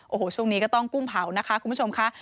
โอ้โหช่วงนี้ก็ต้องกุ้งเผานะคะคุณผู้ชมค่ะ